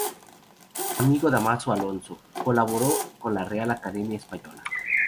Amigo de Dámaso Alonso, colaboró con la Real Academia Española.